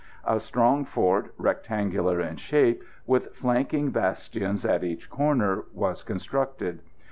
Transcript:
A strong fort, rectangular in shape, with flanking bastions at each corner, was constructed.